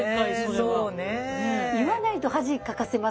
言わないと恥かかせますからね。